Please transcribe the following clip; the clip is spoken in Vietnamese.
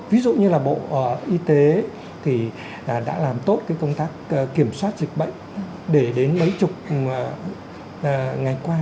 ví dụ như là bộ y tế thì đã làm tốt cái công tác kiểm soát dịch bệnh để đến mấy chục ngày qua